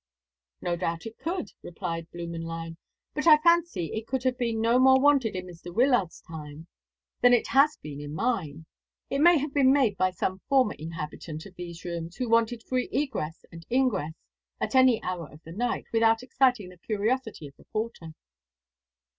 "No doubt it could," replied Blümenlein, "but I fancy it could have been no more wanted in Mr. Wyllard's time than it has been in mine. It may have been made by some former inhabitant of these rooms, who wanted free egress and ingress at any hour of the night, without exciting the curiosity of the porter."